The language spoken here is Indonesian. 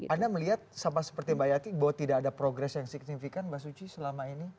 anda melihat sama seperti mbak yati bahwa tidak ada progres yang signifikan mbak suci selama ini